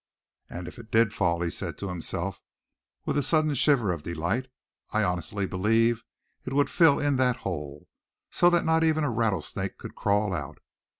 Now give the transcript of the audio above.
"And if it did fall," he said to himself, with a sudden shiver of delight, "I honestly believe it would fill in that hole, so that not even a rattlesnake could crawl out.